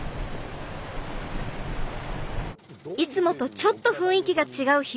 いつもとちょっと雰囲気が違う日村さん。